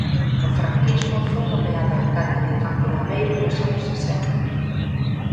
No franquismo foi nomeado alcalde de Campo Lameiro nos anos sesenta.